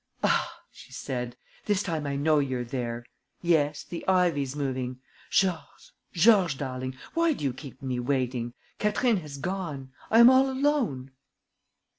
"Ah!" she said. "This time I know you're there! Yes, the ivy's moving. Georges, Georges darling, why do you keep me waiting? Catherine has gone. I am all alone...."